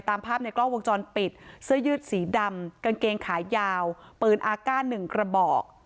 ตามภาพในกล้องวงจรปิดเสื้อยืดสีดำกางเกงขายาวปืนอากาศหนึ่งกระบอก